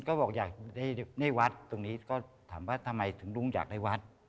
ก็บอกอยากได้วัดตรงนี้ก็ถามว่าทำไมถึงลุงอยากได้วัด